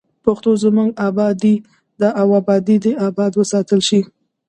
پښتو زموږ ابادي ده او ابادي دې اباد وساتل شي.